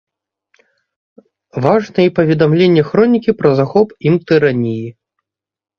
Важна і паведамленне хронікі пра захоп ім тыраніі.